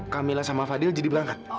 kak mila sama fadil jadi berangkat